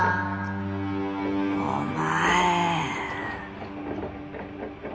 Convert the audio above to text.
お前。